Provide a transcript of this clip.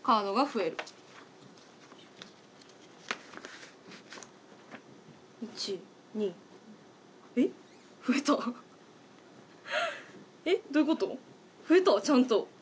増えたちゃんと。